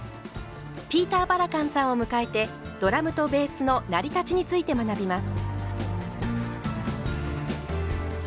ピーター・バラカンさんを迎えてドラムとベースの成り立ちについて学びます。